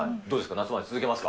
夏まで続けます